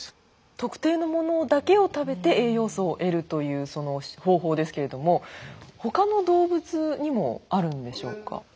特定のものだけを食べて栄養素を得るというその方法ですけれども他の動物にもあるんでしょうか？